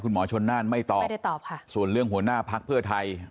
หมอชนน่านไม่ตอบไม่ได้ตอบค่ะส่วนเรื่องหัวหน้าพักเพื่อไทย